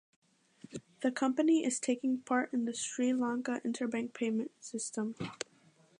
The company is taking part in the Sri Lanka Interbank Payment System.